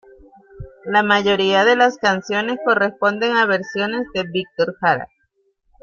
La mayoría de las canciones corresponden a versiones de Víctor Jara.